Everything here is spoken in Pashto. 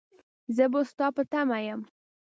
زه به ستا په تمه يم.